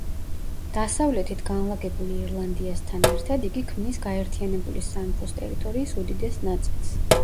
დასავლეთით განლაგებულ ირლანდიასთან ერთად, იგი ქმნის გაერთიანებული სამეფოს ტერიტორიის უდიდეს ნაწილს.